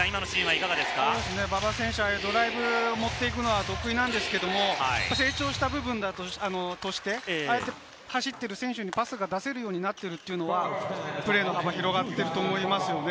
馬場選手、ドライブを持っていくのが得意なんですが、成長した部分として、走っている選手にパスが出せるようになってるというのは、プレーの幅が広がっていると思いますね。